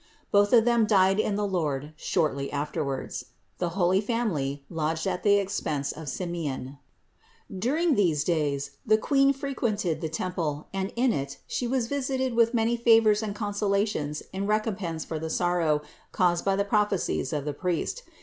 Both of them died in the Lord shortly afterwards. The holy Family lodged at the expense of Simeon. During these days 512 CITY OF GOD the Queen frequented the temple and in it She was visited with many favors and consolations in recompense for the sorrow caused by the prophecies of the priest.